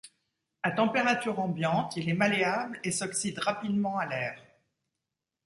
À température ambiante, il est malléable et s'oxyde rapidement à l'air.